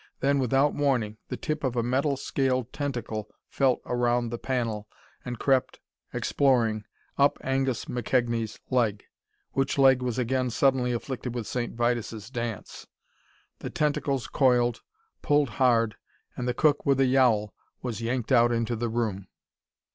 Then, without warning, the tip of a metal scaled tentacle felt around the panel and crept, exploring, up Angus McKegnie's leg which leg was again suddenly afflicted with St. Vitus' dance. The tentacles coiled, pulled hard and the cook with a yowl was yanked out into the room.